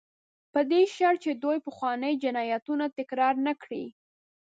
په دې شرط چې دوی پخواني جنایتونه تکرار نه کړي.